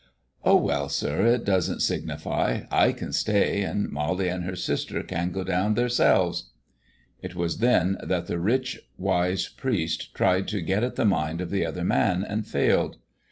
"Oh, well, sir, it doesn't signify. I can stay, and Molly and her sister can go down theirselves." It was then that the rich, wise priest tried to get at the mind of the other man and failed.